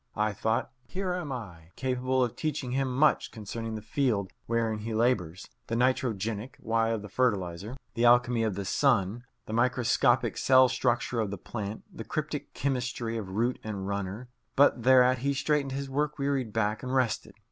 I thought: Here am I, capable of teaching him much concerning the field wherein he labours the nitrogenic why of the fertilizer, the alchemy of the sun, the microscopic cell structure of the plant, the cryptic chemistry of root and runner but thereat he straightened his work wearied back and rested.